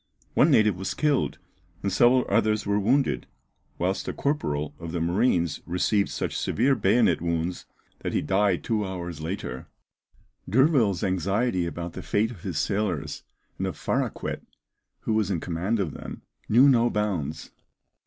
One native was killed and several others were wounded, whilst a corporal of the marines received such severe bayonet wounds, that he died two hours later. [Illustration: Attack from the natives of Tonga Tabou.] D'Urville's anxiety about the fate of his sailors, and of Faraquet, who was in command of them, knew no bounds.